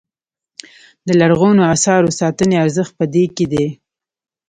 د لرغونو اثارو ساتنې ارزښت په دې کې دی.